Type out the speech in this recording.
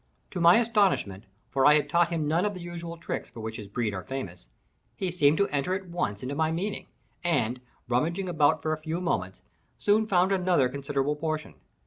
To my astonishment, (for I had taught him none of the usual tricks for which his breed are famous,) he seemed to enter at once into my meaning, and, rummaging about for a few moments, soon found another considerable portion.